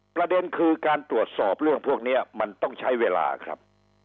ประเด็นคือการตรวจสอบเรื่องพวกนี้มันต้องใช้เวลาครับ